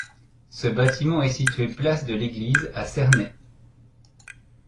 Ce bâtiment est situé place de l'Église à Cernay.